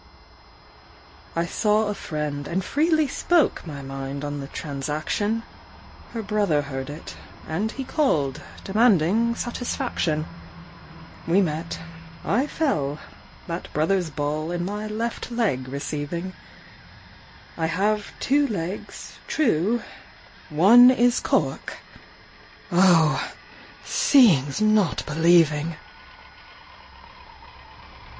I saw a friend, and freely spoke My mind on the transaction; Her brother heard it, and he called, Demanding satisfaction. We met I fell that brother's ball In my left leg receiving; I have two legs, true one is cork: Oh! seeing's not believing!